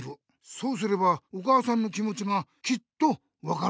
そうすればお母さんの気もちがきっと分かると思うぞ。